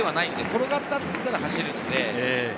転がったら走るので。